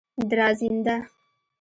دراځینده